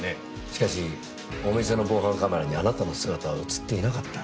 しかしお店の防犯カメラにあなたの姿は映っていなかった。